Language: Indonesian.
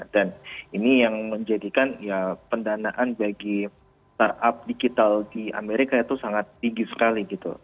dan ini yang menjadikan ya pendanaan bagi startup digital di amerika itu sangat tinggi